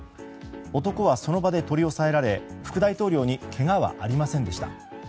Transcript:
男はその場で取り押さえられ副大統領にけがはありませんでした。